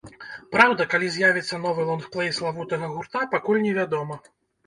Праўда, калі з'явіцца новы лонгплэй славутага гурта, пакуль не вядома.